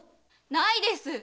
ないです。